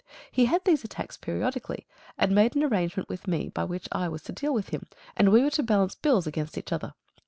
He had these attacks periodically, and made an arrangement with me by which I was to deal with him, and we were to balance bills against each other.